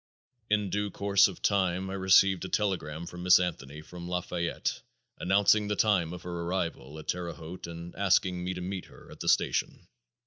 In due course of time I received a telegram from Miss Anthony from Lafayette announcing the time of her arrival at Terre Haute and asking me to meet her at the station.